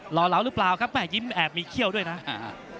รอเหลาหรือเปล่าครับแม่ยิ้มแอบมีเขี้ยวด้วยนะอ่า